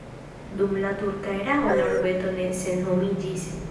Dum la turka erao la urbeto ne senhomiĝis.